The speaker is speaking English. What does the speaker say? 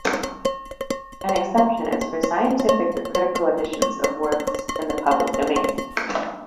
An exception is for scientific or critical editions of works in the public domain.